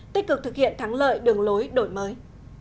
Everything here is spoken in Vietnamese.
tích cực thực hiện thắng lợi đường lối đổi mới